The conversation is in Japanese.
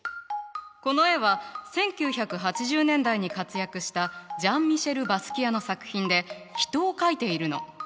この絵は１９８０年代に活躍したジャン＝ミシェル・バスキアの作品で人を描いているの。